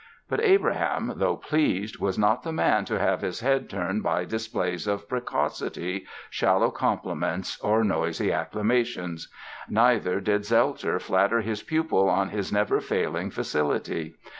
But Abraham, though pleased, was not the man to have his head turned by displays of precocity, shallow compliments or noisy acclamations. Neither did Zelter flatter his pupil on his never failing facility.